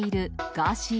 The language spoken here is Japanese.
ガーシー！